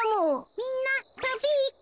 みんなたびいく。